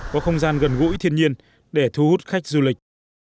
có không gian gần gũi thiên nhiên để thu hút khách du lịch